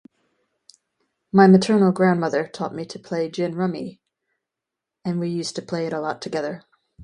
My maternal grandmother taught me to play Gin Rummy, and we used to play it a lot together.